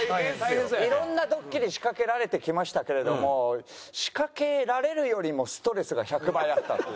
いろんなドッキリ仕掛けられてきましたけれども仕掛けられるよりもストレスが１００倍あったっていう。